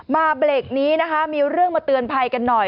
เบรกนี้นะคะมีเรื่องมาเตือนภัยกันหน่อย